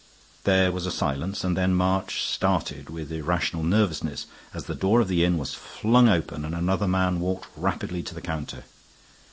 There was a silence, and then March started with irrational nervousness as the door of the inn was flung open and another man walked rapidly to the counter.